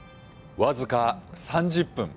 僅か３０分。